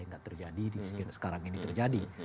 nggak terjadi sekarang ini terjadi